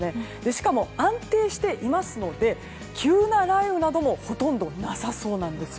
しかも、安定していますので急な雷雨などもほとんどなさそうなんです。